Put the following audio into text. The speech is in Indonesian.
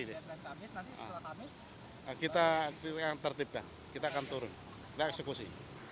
kita akan tertipkan kita akan turun kita eksekusi